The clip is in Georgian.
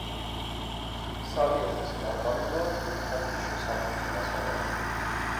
სალიეთის მარმარილო ძვირფასი შესამოსი მასალაა.